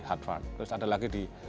hardvard terus ada lagi di